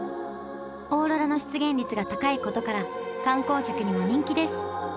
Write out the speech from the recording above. オーロラの出現率が高いことから観光客にも人気です。